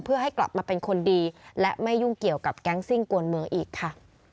เพื่อให้กลับมาเป็นคนดีและไม่ยุ่งเกี่ยวกับแก๊งซิ่งกวนเมืองอีกค่ะ